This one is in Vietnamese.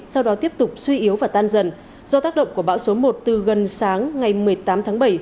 sau đó tiếp tục suy yếu và tan dần do tác động của bão số một từ gần sáng ngày một mươi tám tháng bảy